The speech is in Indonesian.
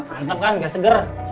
mantap kan gak seger